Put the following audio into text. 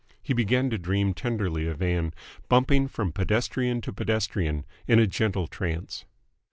He began to dream tenderly of Ann, bumping from pedestrian to pedestrian in a gentle trance.